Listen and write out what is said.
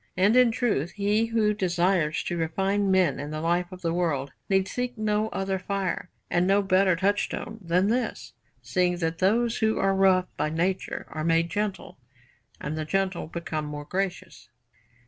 And in truth, he who desires to refine men in the life of the world need seek no other fire and no better touchstone than this, seeing that those who are rough by nature are made gentle, and the gentle become more gracious.